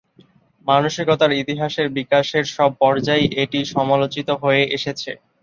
মানসিকতার ইতিহাসের বিকাশের সব পর্যায়েই এটি সমালোচিত হয়ে এসেছে।